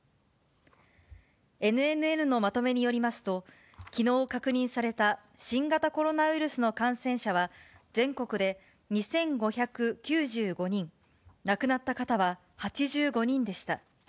ＮＮＮのまとめによりますと、きのう確認された新型コロナウイルスの感染者は、全国で２５９５人、亡くなった方は８５人でした。